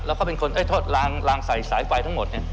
แล้วก็เป็นคนทอดลางใส่สายไฟทั้งหมด